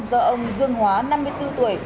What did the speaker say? do ông dương hóa năm mươi bốn tuổi